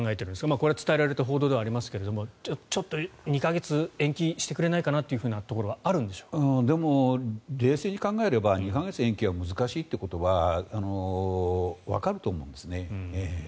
これは伝えられている報道ではありますが２か月延期してくれないかなというのはでも冷静に考えれば２か月延期は難しいということはわかると思うんですね。